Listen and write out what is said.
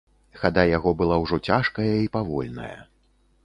Хада яго была ўжо цяжкая і павольная.